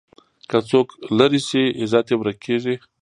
که څوک لرې شي، عزت یې ورک کېږي.